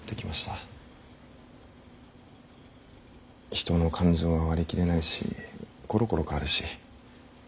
人の感情は割り切れないしころころ変わるし。